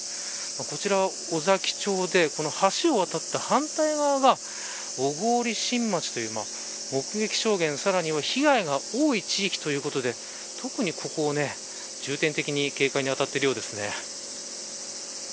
こちら、尾崎町で橋を渡った反対側が小郡新町という目撃証言、さらには被害が多い地域ということで特に、ここを重点的に警戒に当たっているようですね。